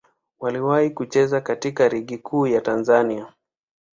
Waliwahi kucheza katika Ligi Kuu ya Tanzania.